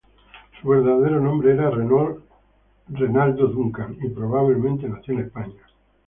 Su verdadero nombre era Renault Renaldo Duncan, y probablemente nació en España.